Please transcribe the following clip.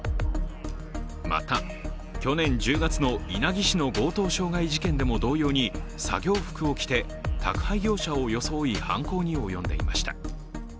また、去年１０月の稲城市の強盗傷害事件でも同様に作業服を着て宅配業者を装い、犯行に及んでいました。